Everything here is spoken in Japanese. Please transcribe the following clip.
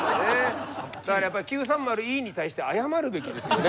だから９３０Ｅに対して謝るべきですよね